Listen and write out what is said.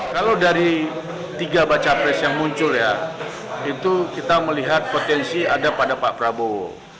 kalau dari tiga baca pres yang muncul ya itu kita melihat potensi ada pada pak prabowo